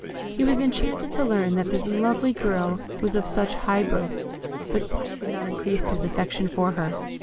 He was enchanted to learn that this lovely girl was of such high birth, but that did not increase his affection for her.